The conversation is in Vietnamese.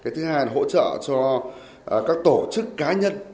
thứ hai là hỗ trợ cho các tổ chức cá nhân